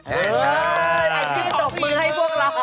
อ่าไอดี้ปกป้องให้พวกเรา